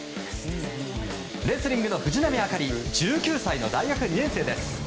レスリングの藤波朱理１９歳の大学２年生です。